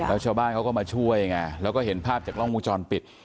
แล้วชาวบ้านเขาก็มาช่วยไงแล้วก็เห็นภาพจากกล้องวงจรปิด